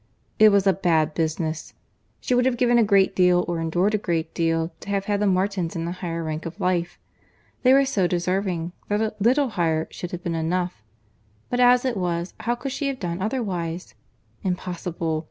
It was a bad business. She would have given a great deal, or endured a great deal, to have had the Martins in a higher rank of life. They were so deserving, that a little higher should have been enough: but as it was, how could she have done otherwise?—Impossible!